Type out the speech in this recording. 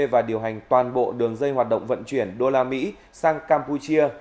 và điều hành toàn bộ đường dây hoạt động vận chuyển đô la mỹ sang campuchia